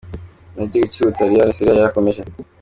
Mu gihugu cy’u Butaliyani, Serie A yarakomeje.